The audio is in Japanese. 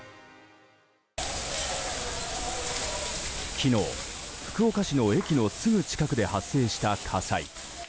昨日、福岡市の駅のすぐ近くで発生した火災。